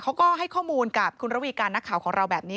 เขาก็ให้ข้อมูลกับคุณระวีการนักข่าวของเราแบบนี้